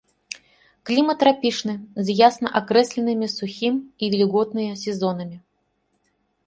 Клімат трапічны з ясна акрэсленымі сухім і вільготныя сезонамі.